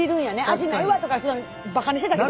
味ないわとかばかにしてたけど。